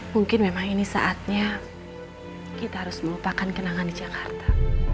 mungkin memang ini saatnya kita harus melupakan kenangan di jakarta